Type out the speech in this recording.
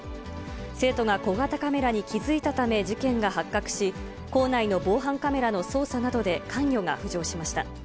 生徒が小型カメラに気付いたため、事件が発覚し、校内の防犯カメラの捜査などで関与が浮上しました。